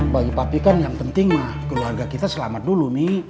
bagi papi kan yang penting keluarga kita selamat dulu nih